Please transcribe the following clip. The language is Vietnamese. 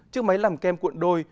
chiếc máy làm kem cuộn đôi